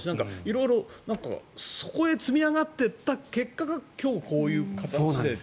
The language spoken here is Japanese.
色々、そこへ積み上がっていった結果が今日こういう形でね。